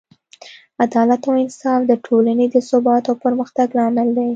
عدالت او انصاف د ټولنې د ثبات او پرمختګ لامل دی.